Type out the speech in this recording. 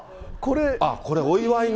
これ、お祝いの？